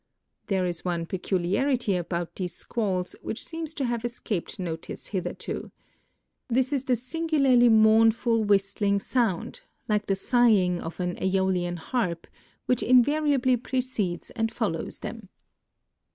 There is one peculiarity ab(nit these squalls which seems to have escaped notice hitherto. This is the singularly mournful whistling .s»und, like the sighing of an vEolian harp, whicli invariably |>recedeH and follows them.